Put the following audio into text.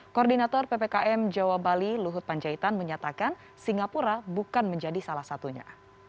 koordinator ppkm jawa bali luhut panjaitan menyatakan singapura bukan menjadi salah satunya